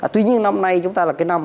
tuy nhiên năm nay chúng ta là cái năm